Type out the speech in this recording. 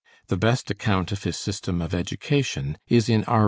The best account of his system of education is in R.